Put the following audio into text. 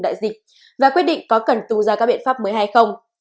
đại dịch và quyết định có cần tung ra các biện pháp mới hay không